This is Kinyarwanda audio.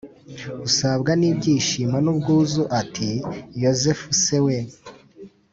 usabwa n’ibyishimo n’ubwuzu ati: yozefu se we